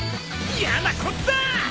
やなこった！